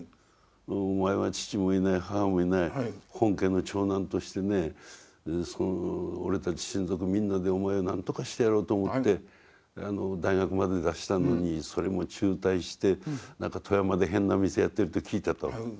お前は父もいない母もいない本家の長男としてね俺たち親族みんなでお前を何とかしてやろうと思って大学まで出したのにそれも中退して富山で変な店やってるって聞いたと。